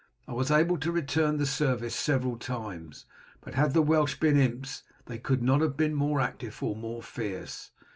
I was able to return the service several times, but had the Welsh been imps they could not have been more active or more fierce.